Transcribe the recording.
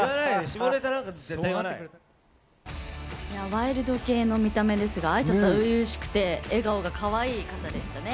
ワイルド系の見た目ですが、あいさつが初々しくて、笑顔がかわいい方でしたね。